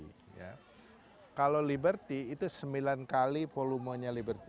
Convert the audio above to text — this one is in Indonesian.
pembicara empat puluh delapan kalau liberty itu sembilan kali volumenya liberty